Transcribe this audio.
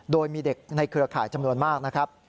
โดยมีเด็กในเครือข่ายจำนวนมากนะครับ